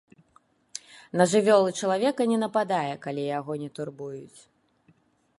На жывёл і чалавека не нападае, калі яго не турбуюць.